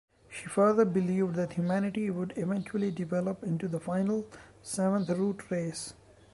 She further believed that humanity would eventually develop into the final, seventh Root Race.